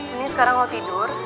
ini sekarang lo tidur